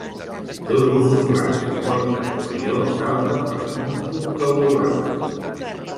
Dos gossos blancs que porten morrió salten per damunt d'una tauló blanc.